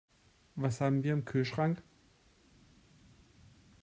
Was haben wir im Kühlschrank?